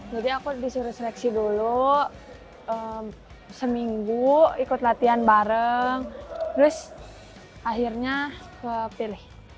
jadi aku disuruh seleksi dulu seminggu ikut latihan bareng terus akhirnya kepilih